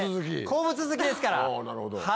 鉱物好きですから。